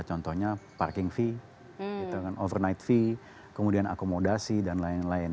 contohnya parking fee overnight fee kemudian akomodasi dan lain lain